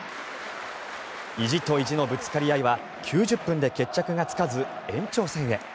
意地と意地のぶつかり合いは９０分で決着がつかず延長戦へ。